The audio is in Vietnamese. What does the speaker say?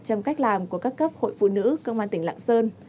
trong cách làm của các cấp hội phụ nữ công an tỉnh lạng sơn